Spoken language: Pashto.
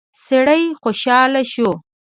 سړی خوشاله شو.